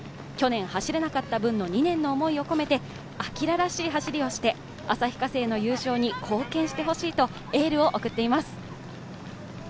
去年、走れなかった分の２年の思いを込めて晃らしい走りをして旭化成の優勝に貢献してほしいとエールを送っています。